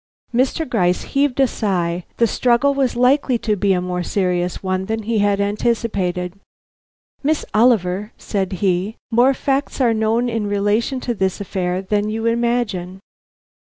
Mr. Gryce heaved a sigh; the struggle was likely to be a more serious one than he had anticipated. "Miss Oliver," said he, "more facts are known in relation to this affair than you imagine.